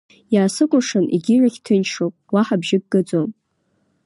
Иаасыкәыршан егьирахь ҭынчроуп, уаҳа бжьык гаӡом.